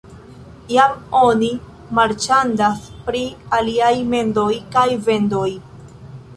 Jam oni marĉandas pri aliaj mendoj kaj vendoj.